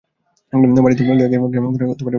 বাড়িতে লইয়া গিয়া ক্ষেমংকরী একবার নলিনাক্ষকে ডাকিলেন।